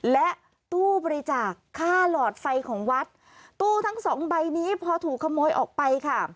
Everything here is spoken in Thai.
และตู้บริจาคค่าหลอดไฟของวัดตู้ทั้งสองใบนี้พอถูกขโมยออกไปค่ะ